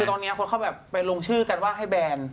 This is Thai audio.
ตอนนี้คนเขาไปลงชื่อกันให้แบลน์